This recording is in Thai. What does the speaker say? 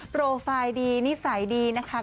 โปรไฟล์ดีนิสัยดีนะคะ